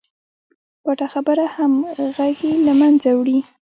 پټه خبره همغږي له منځه وړي.